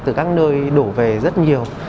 từ các nơi đổ về rất nhiều